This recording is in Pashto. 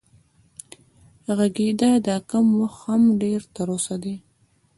غږېږه دا کم وخت هم ډېر تر اوسه دی